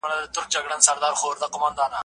کور زده کړه بې ګټې نه ده.